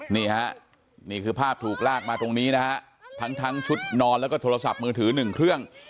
นี่ฮะนี่คือภาพถูกลากมาตรงนี้นะฮะทั้งทั้งชุดนอนแล้วก็โทรศัพท์มือถือหนึ่งเครื่อง